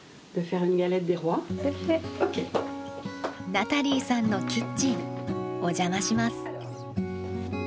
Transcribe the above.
ナタリーさんのキッチンお邪魔します。